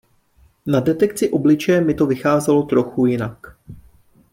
Na detekci obličeje mi to vycházelo trochu jinak.